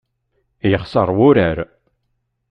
Yexṣeṛ wurar!